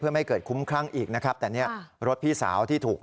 ไม่เกิดคุ้มครั่งอีกนะครับแต่เนี่ยรถพี่สาวที่ถูก